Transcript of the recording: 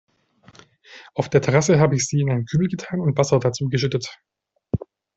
Auf der Terrasse hab ich sie in einen Kübel getan und Wasser dazu geschüttet.